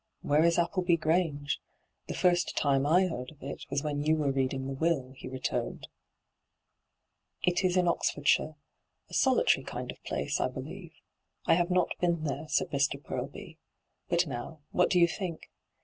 * Where is Appleby Grange ? The first time I heard of it was when you were reading the will,' he returned. ' It is in Oxfordshire — a solitary kind of place, I believe. I have not been there,' said Mr. Purlby. * But now, what do you think